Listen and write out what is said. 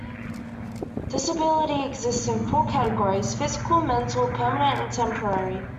Disability exists in four categories: physical, mental, permanent and temporary.